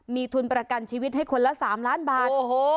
มีทุนประกันชีวิตให้คนละ๓ล้านบาท